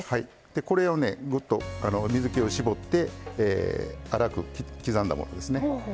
でこれをねぐっと水けを絞って粗く刻んだものですね。